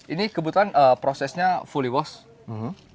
ini kebetulan prosesnya fully wash